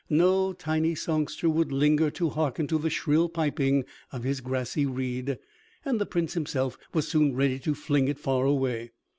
No tiny songster would linger to hearken to the shrill piping of his grassy reed, and the Prince himself was soon ready to fling it far away.